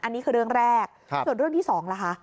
อันนี้คือเรื่องแรกส่วนเรื่องที่สองล่ะคะ